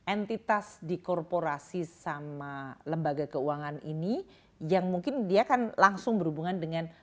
entitas dikorporasi sama lembaga keuangan ini yang mungkin dia kan langsung berhubungan dengan